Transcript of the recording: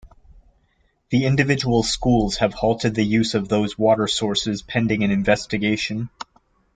The individual schools have halted the use of those water sources pending an investigation.